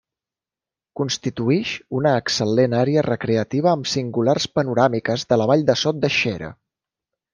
Constituïx una excel·lent àrea recreativa amb singulars panoràmiques de la vall de Sot de Xera.